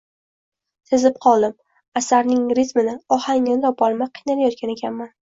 Sezib qoldim; asarning ritmini, ohangini topolmay qiynalayotgan ekanman